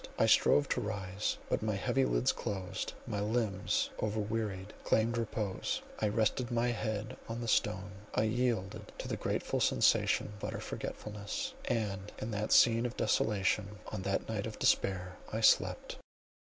I strove to rise, but my heavy lids closed, my limbs over wearied, claimed repose—I rested my head on the stone, I yielded to the grateful sensation of utter forgetfulness; and in that scene of desolation, on that night of despair—I slept.